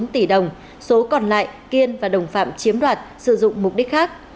bốn mươi bốn tỷ đồng số còn lại kiên và đồng phạm chiếm đoạt sử dụng mục đích khác